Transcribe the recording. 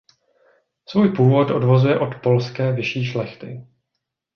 Svůj původ odvozuje od polské vyšší šlechty.